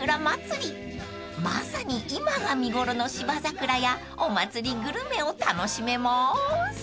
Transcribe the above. ［まさに今が見頃の芝桜やお祭りグルメを楽しめます］